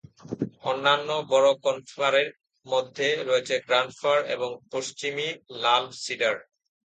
অন্যান্য বড় কনিফারের মধ্যে রয়েছে গ্র্যান্ড ফার এবং পশ্চিমী লাল সিডার।